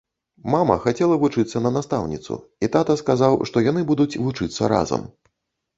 Мама хацела вучыцца на настаўніцу, і тата сказаў, што яны будуць вучыцца разам.